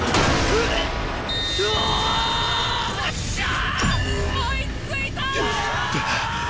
追いついた！